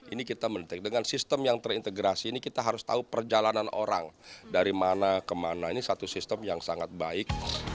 ini kita mendetek dengan sistem yang terintegrasi ini kita harus tahu perjalanan orang dari mana kemana ini satu sistem yang sangat baik